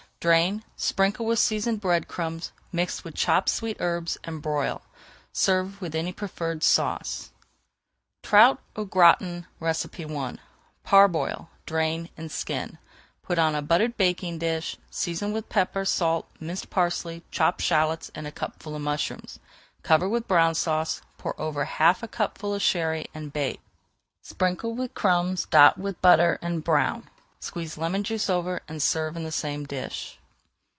Drain, sprinkle with seasoned bread crumbs mixed with chopped sweet herbs, and broil. Serve with any preferred sauce. TROUT AU GRATIN I Parboil, drain, and skin. Put on a buttered baking dish, season with pepper, salt, minced parsley, chopped shallots, and chopped mushrooms. Cover with Brown Sauce, pour over half a cupful of [Page 425] Sherry and bake. Sprinkle with crumbs, dot with butter, and brown. Squeeze lemon juice over and serve in the same dish.